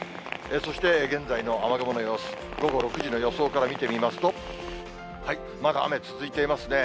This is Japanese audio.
そして現在の雨雲の様子、午後６時の予想から見てみますと、まだ雨続いていますね。